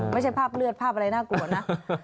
ภาพเลือดภาพอะไรน่ากลัวนะ